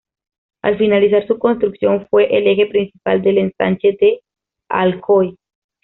Al finalizar su construcción fue el eje principal del ensanche de Alcoy.